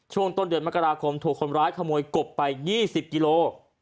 ช่วงต้นเดือนมกราคมถูกคนร้ายขโมยกบไป๒๐กิโล